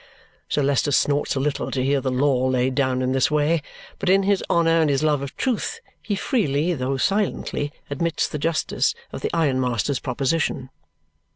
Sir Leicester snorts a little to hear the law laid down in this way, but in his honour and his love of truth, he freely, though silently, admits the justice of the ironmaster's proposition.